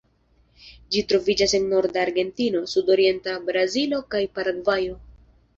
Ĝi troviĝas en norda Argentino, sudorienta Brazilo kaj Paragvajo.